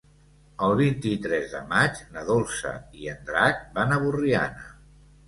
El vint-i-tres de maig na Dolça i en Drac van a Borriana.